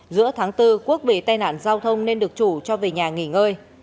giữa tháng bốn quốc bị tai nạn giao thông nên được chủ cho về nhà nghỉ ngơi